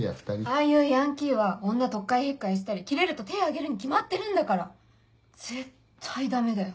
ああいうヤンキーは女取っ換え引っ換えしたりキレると手上げるに決まってるんだから絶対ダメだよ。